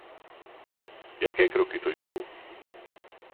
Jaké kroky to jsou?